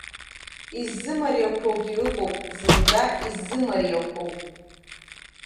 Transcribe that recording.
Иззымариақәоугьы ыҟоуп, зынӡа иззымариақәоу.